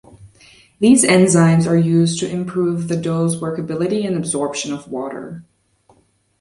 These enzymes are used to improve the dough's workability and absorption of water.